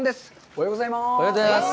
おはようございます。